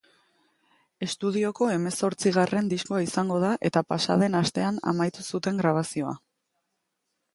Estudioko hemezortzigarren diskoa izango da eta pasaden astean amaitu zuten grabazioa.